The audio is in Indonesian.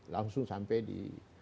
langsung sampai di